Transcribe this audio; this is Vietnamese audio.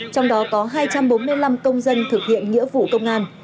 trong đó có hai trăm bốn mươi năm công dân thực hiện nghĩa vụ công an